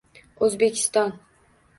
O‘zbekiston